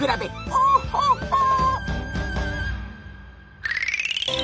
ほっほっほっ！